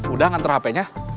udah nganter hp nya